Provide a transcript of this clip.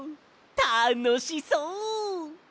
たのしそう！